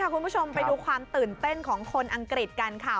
คุณผู้ชมไปดูความตื่นเต้นของคนอังกฤษกันค่ะ